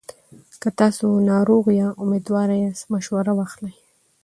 که تاسو ناروغ یا میندوار یاست، مشوره واخلئ.